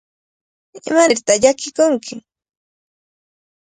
¿Imanirtaq llakikunki?